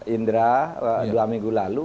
indra dua minggu lalu